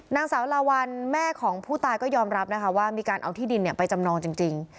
นางสาวลาวัลแม่ของผู้ตายก็ยอมรับนะคะว่ามีการเอาที่ดินไปจำนองจริง